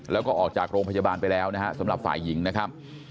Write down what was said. แล้วก็ออกจากโรงพยาบาลไปแล้วนะฮะสำหรับฝ่ายหญิงนะครับ